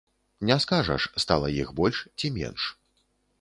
Не скажаш, стала іх больш ці менш.